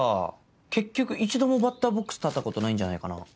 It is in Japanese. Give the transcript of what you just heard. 結局一度もバッターボックス立ったことないんじゃないかな。